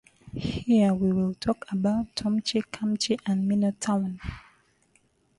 Here we will talk about Tomochi Kamichi and Mino Town.